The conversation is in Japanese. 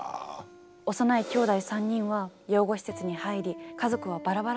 幼いきょうだい３人は養護施設に入り家族はバラバラになってしまいます。